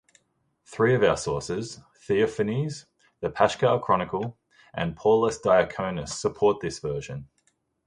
Three of our sources -- Theophanes, the "Paschal Chronicle", and Paullus Diaconus-support this version.